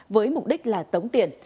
với mục đích là tống tiền